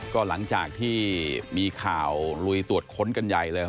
ก็หลังจากที่มีข่าวลุยตรวจค้นกันใหญ่เลย